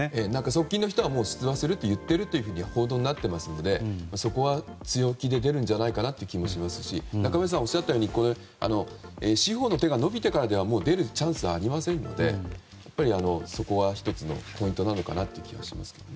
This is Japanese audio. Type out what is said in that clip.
側近の人は出馬すると言っているという報道になっていますので、そこは強気で出るんじゃないかという気もしますし中林さんがおっしゃったように司法の手が伸びてからでは出るチャンスがありませんのでそこは１つのポイントなのかなという気がします。